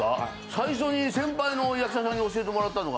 最初に先輩の役者さんに教えてもらったのが。